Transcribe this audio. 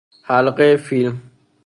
حلقه فیلم